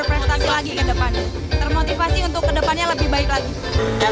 termotivasi untuk ke depannya lebih baik lagi